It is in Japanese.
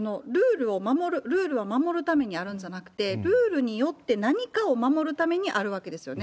ルールは守るためにあるんじゃなくて、ルールによって何かを守るためにあるわけですよね。